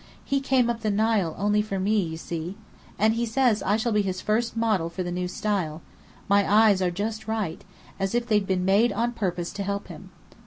He came up the Nile only for me, you see! And he says I shall be his first model for the new style my eyes are just right, as if they'd been made on purpose to help him.